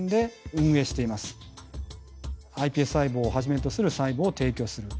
ｉＰＳ細胞をはじめとする細胞を提供する。